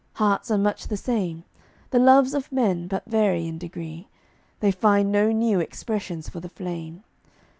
Hearts are much the same; The loves of men but vary in degree They find no new expressions for the flame.